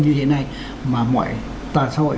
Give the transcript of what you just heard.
như thế này mà mọi toàn xã hội